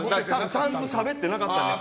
ちゃんとしゃべってなかったんです。